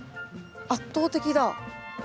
圧倒的だ。